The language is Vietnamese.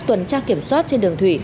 tuần tra kiểm soát trên đường thủy